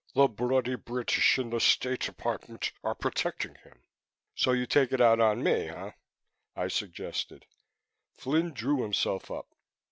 The bloody British in the State Department are protecting him." "So you take it out on me, eh?" I suggested. Flynn drew himself up.